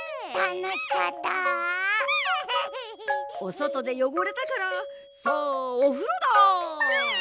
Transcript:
おそとでよごれたからさあおふろだ！